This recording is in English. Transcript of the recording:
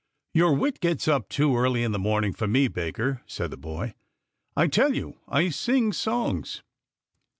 " Your wit gets up too early in the morning for me, baker," said the boy. " I tell you I sing songs."